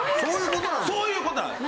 そういうことなんだ。